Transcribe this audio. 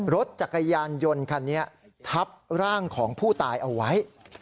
รถจักรยานยนต์คันนี้ทับร่างของผู้ตายเอาไว้